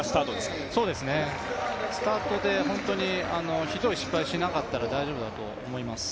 スタートで本当にひどい失敗しなかったら大丈夫だと思います。